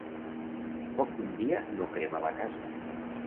Foc d'un dia no crema la casa.